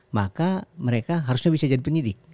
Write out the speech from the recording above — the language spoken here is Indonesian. maka mereka harusnya bisa jadi penyidik